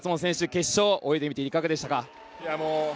決勝泳いでみていかがでしたか。